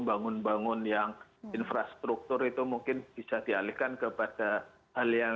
bangun bangun yang infrastruktur itu mungkin bisa dialihkan kepada hal yang